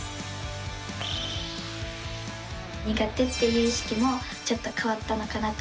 苦手っていう意識もちょっと変わったのかなと。